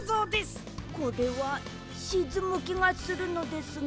これはしずむきがするのですが？